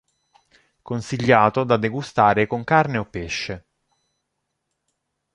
Consigliato da degustare con carne o pesce.